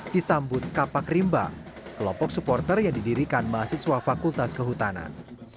disambut kapak rimba kelompok supporter yang didirikan mahasiswa fakultas kehutanan